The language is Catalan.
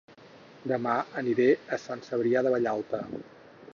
Dema aniré a Sant Cebrià de Vallalta